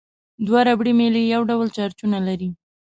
دوه ربړي میلې یو ډول چارجونه لري.